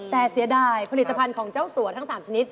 แต่เสียดายผลิตภัณฑ์ของเจ้าสัวทั้ง๓ชนิด